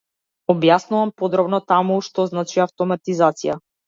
Објаснувам подробно таму - што значи автоматизација.